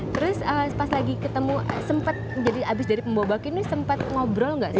terus pas lagi ketemu sempat jadi abis dari pembawa baki ini sempat ngobrol gak sih